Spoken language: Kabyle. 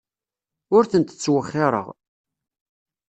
Ur tent-ttwexxireɣ.